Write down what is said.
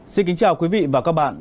xin kính chào quý vị và các bạn